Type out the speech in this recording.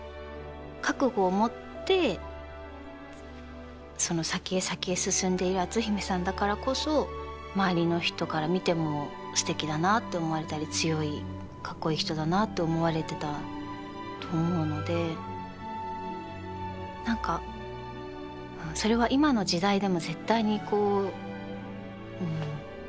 覚悟を持ってその先へ先へ進んでいる篤姫さんだからこそ周りの人から見てもすてきだなって思われたり強い格好いい人だなって思われてたと思うので何かそれは今の時代でも絶対にこううん。